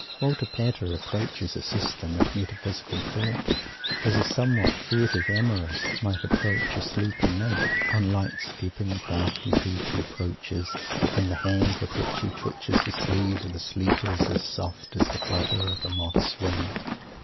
Walter Pater approaches a System of Metaphysical Thought as a somewhat furtive amorist might approach a sleeping Nymph. On light stepping, crafty feet he approaches and the hand with which he twitches the sleeve of the sleeper is as soft as the flutter of a moth's wing.